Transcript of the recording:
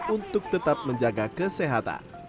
untuk tetap menjaga kesehatan